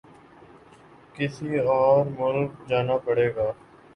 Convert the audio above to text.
کسی اور ملک جانا پڑے گا